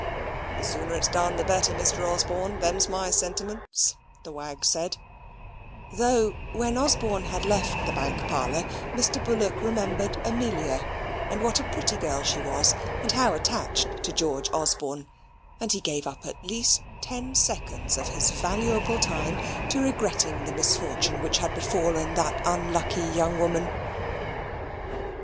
The sooner it is done the better, Mr. Osborne; them's my sentiments," the wag said; though, when Osborne had left the bank parlour, Mr. Bullock remembered Amelia, and what a pretty girl she was, and how attached to George Osborne; and he gave up at least ten seconds of his valuable time to regretting the misfortune which had befallen that unlucky young woman.